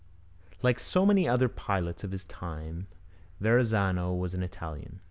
Like so many other pilots of his time, Verrazano was an Italian.